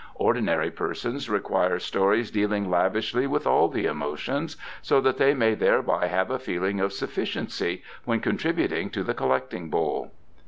Ordinary persons require stories dealing lavishly with all the emotions, so that they may thereby have a feeling of sufficiency when contributing to the collecting bowl."